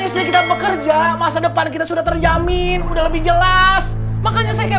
listrik kita bekerja masa depan kita sudah terjamin udah lebih jelas makanya saya kayak